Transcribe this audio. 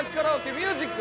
ミュージック。